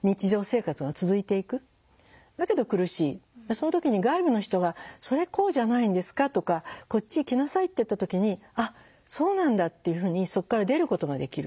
その時に外部の人が「それこうじゃないんですか」とか「こっちへ来なさい」って言った時に「あっそうなんだ」っていうふうにそこから出ることができる。